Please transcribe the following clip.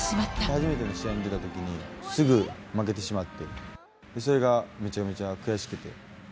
初めての試合に出たときに、すぐ負けてしまって、それがめちゃめちゃ悔しくて。